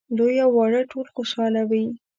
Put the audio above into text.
لوی او واړه ټول خوشاله وي.